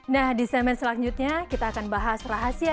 nah di semen selanjutnya kita akan bahas rahasia